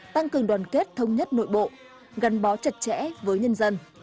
tăng cường đoàn kết thông nhất nội bộ gắn bó chật chẽ với nhân dân